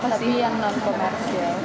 karena aku mau jadi yang non komersial